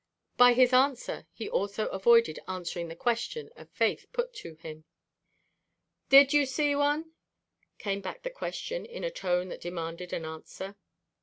By his answer he also avoided answering the question of faith put to him. "Did you see one?" came back the question in a tone that demanded an answer.